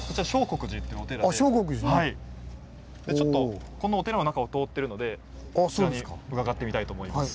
ちょっとこのお寺の中を通ってるのでこちらに伺ってみたいと思います。